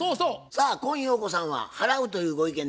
さあ今陽子さんは払うというご意見でございますが？